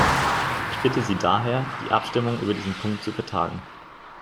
Ich bitte Sie daher, die Abstimmung über diesen Punkt zu vertagen.